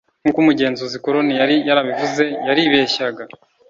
nk uko Umugenzuzi Colon yari yarabivuze Yaribeshyaga